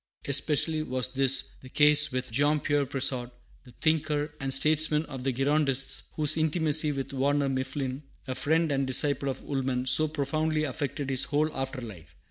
Especially was this the case with Jean Pierre Brissot, the thinker and statesman of the Girondists, whose intimacy with Warner Mifflin, a friend and disciple of Woolman, so profoundly affected his whole after life.